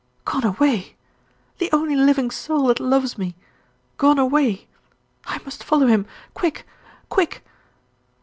"Gone away! the only living soul that loves me. Gone away! I must follow him quick quick."